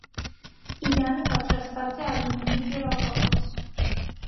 Իրանը պատրաստված է ալյումինից և ապակուց։